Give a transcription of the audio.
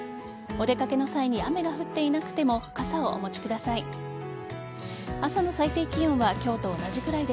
お出かけの際に雨が降っていなくても傘をお持ちください。